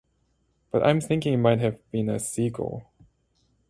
But I'm thinking it might have been a seagull.